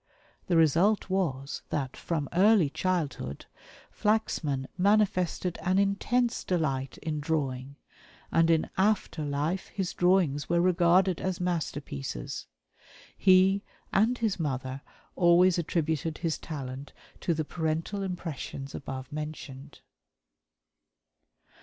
The result was that from early childhood Flaxman manifested an intense delight in drawing; and in after life his drawings were regarded as masterpieces. He, and his mother, always attributed his talent to the parental impressions above mentioned.